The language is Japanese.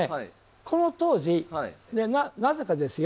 この当時なぜかですよ